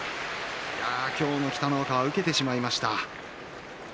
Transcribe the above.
今日の北の若は受けてしまいました。